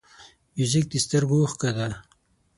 موزیک د سترګو اوښکه ده.